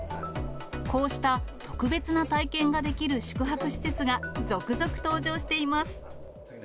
こうした特別な体験ができる宿泊施設が続々登場しています。